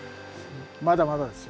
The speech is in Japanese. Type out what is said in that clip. まだまだですよ。